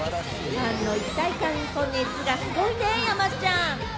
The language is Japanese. ファンの一体感と熱がすごいね、山ちゃん。